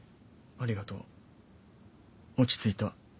ありがとう落ち着いた。